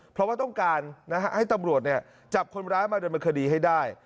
เพราะว่าต้องการนะฮะให้ตำรวจเนี่ยจับคนร้ายมาโดยมันคดีให้ได้